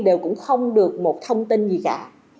đều cũng không được một thông tin gì cả